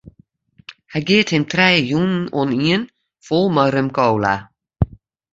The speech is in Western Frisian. Hy geat him trije jûnen oanien fol mei rum-kola.